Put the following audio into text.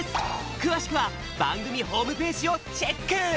くわしくはばんぐみホームページをチェック！